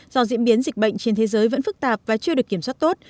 do diễn biến dịch bệnh trên thế giới vẫn phức tạp và chưa được kiểm soát tốt